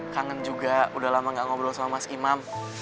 kangen juga udah lama gak ngobrol sama mas imam